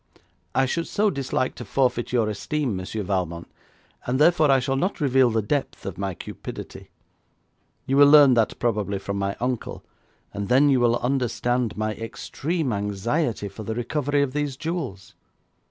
'I should so dislike to forfeit your esteem, Monsieur Valmont, and therefore I shall not reveal the depth of my cupidity. You will learn that probably from my uncle, and then you will understand my extreme anxiety for the recovery of these jewels.'